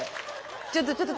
ちょっとちょっと。